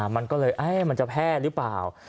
มันก็เลยมันจะแพร่หรือเปล่า